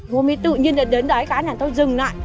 hôm ấy tự nhiên là đến đấy cái này tôi dừng lại